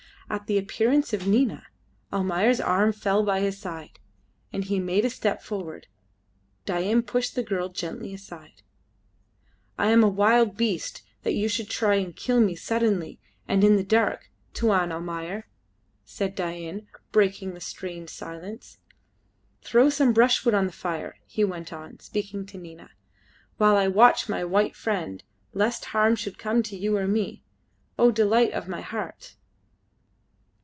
At the appearance of Nina, Almayer's arm fell by his side, and he made a step forward. Dain pushed the girl gently aside. "Am I a wild beast that you should try to kill me suddenly and in the dark, Tuan Almayer?" said Dain, breaking the strained silence. "Throw some brushwood on the fire," he went on, speaking to Nina, "while I watch my white friend, lest harm should come to you or to me, O delight of my heart!"